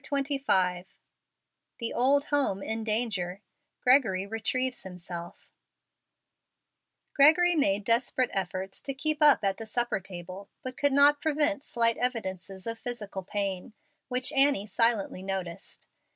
CHAPTER XXV THE OLD HOME IN DANGER GREGORY RETRIEVES HIMSELF Gregory made desperate efforts to keep up at the supper table, but could not prevent slight evidences of physical pain, which Annie silently noticed.